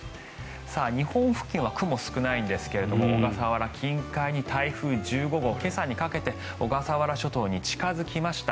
日本付近は雲、少ないですが小笠原近海に台風１５号今朝にかけて小笠原諸島に近付きました。